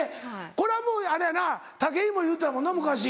これはもうあれやな武井も言うてたもんな昔。